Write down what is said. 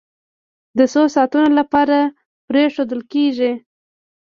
د څو ساعتونو لپاره پرېښودل کېږي.